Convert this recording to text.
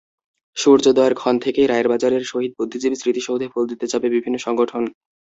সূর্যোদয়ের ক্ষণ থেকেই রায়েরবাজারের শহীদ বুদ্ধিজীবী স্মৃতিসৌধে ফুল দিতে যাবে বিভিন্ন সংগঠন।